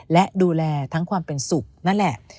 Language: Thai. และดูแลทั้งความเป็นสุขนั่นแหละ